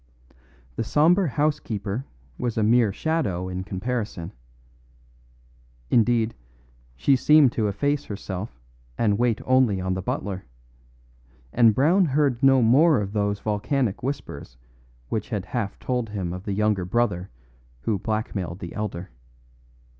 The sombre housekeeper was a mere shadow in comparison; indeed, she seemed to efface herself and wait only on the butler, and Brown heard no more of those volcanic whispers which had half told him of the younger brother who blackmailed the elder.